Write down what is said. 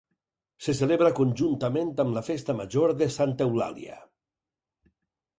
Se celebra conjuntament amb la Festa Major de Santa Eulàlia.